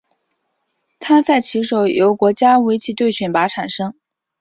参赛棋手由国家围棋队选拔产生。